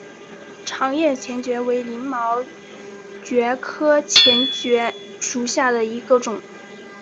长叶黔蕨为鳞毛蕨科黔蕨属下的一个种。